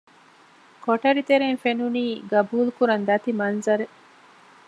ކޮޓަރި ތެރެއިން ފެނުނީ ގަބޫލު ކުރަން ދަތި މަންޒަރެއް